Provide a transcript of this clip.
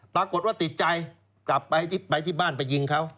ปรากฏว่าติดใจกลับไปที่บ้านไปยิงเขา